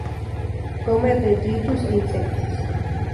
Come detritus e insectos.